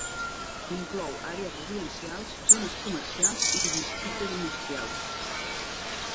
Inclou àrees residencials, zones comercials i districtes industrials.